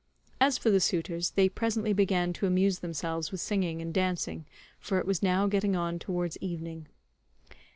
As for the suitors, they presently began to amuse themselves with singing and dancing, for it was now getting on towards evening.